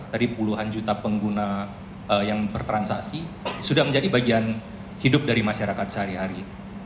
tadi puluhan juta pengguna yang bertransaksi sudah menjadi bagian hidup dari masyarakat sehari hari